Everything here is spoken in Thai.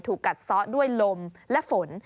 กัดซะด้วยลมและฝน